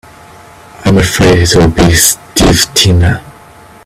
I'm afraid it'll be Steve Tina.